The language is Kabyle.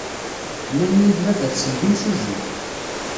Nnan-iyi-d baba-tsen d imsujji.